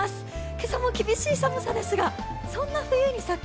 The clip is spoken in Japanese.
今朝も厳しい寒さですが、そんな冬に咲く